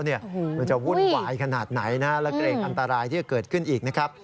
มันจะวุ่นวายขนาดไหนนะและเกรงอันตรายที่จะเกิดขึ้นอีกนะครับ